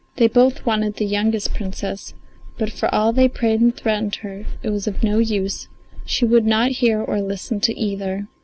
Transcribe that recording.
They both wanted the youngest Princess, but for all they prayed and threatened her it was of no use; she would not hear or listen to either.